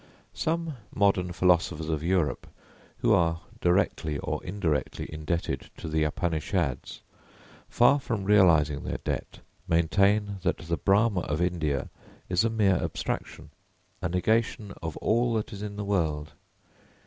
Some modern philosophers of Europe, who are directly or indirectly indebted to the Upanishads, far from realising their debt, maintain that the Brahma of India is a mere abstraction, a negation of all that is in the world.